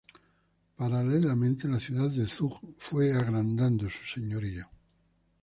Paralelamente la ciudad de Zug fue agrandando su señorío.